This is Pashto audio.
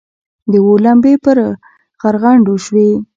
د اور لمبې پر غرغنډو شوې.